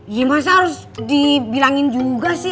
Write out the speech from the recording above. ya emak saya harus dibilangin juga sih